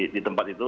di tempat itu